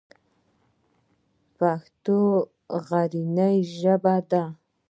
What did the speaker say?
پښتو غني ژبه ده.